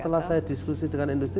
setelah saya diskusi dengan industri